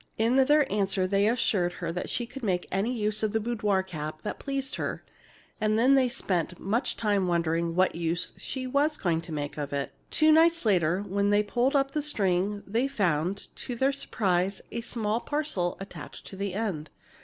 In their answer they assured her that she could make any use of the boudoir cap that pleased her. And then they spent much time wondering what use she was going to make of it. Two nights later, when they pulled up the string, they found, to their surprise, a small parcel attached to the end.